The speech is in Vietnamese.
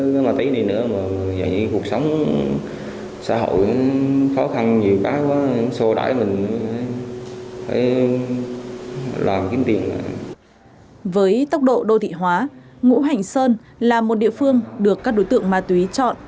với tốc độ đô thị hóa ngũ hành sơn là một địa phương được các đối tượng ma túy chọn